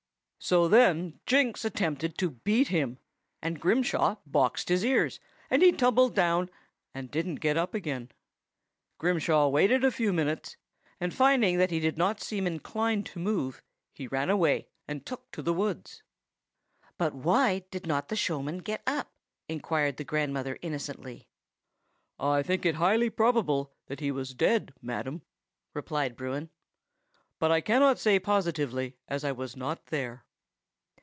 So then Jinks attempted to beat him, and Grimshaw boxed his ears, and he tumbled down and didn't get up again. Grimshaw waited a few minutes, and finding that he did not seem inclined to move, he ran away and took to the woods." "But why did not the showman get up?" inquired the grandmother innocently. "I think it highly probable that he was dead, madam," replied Bruin. "But I cannot say positively, as I was not there.